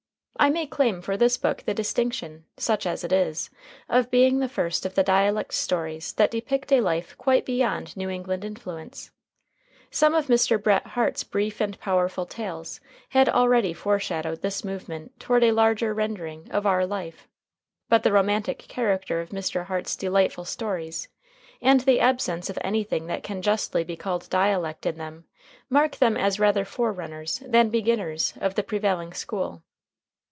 I may claim for this book the distinction, such as it is, of being the first of the dialect stories that depict a life quite beyond New England influence. Some of Mr. Bret Harte's brief and powerful tales had already foreshadowed this movement toward a larger rendering of our life. But the romantic character of Mr. Harte's delightful stories and the absence of anything that can justly be called dialect in them mark them as rather forerunners than beginners of the prevailing school.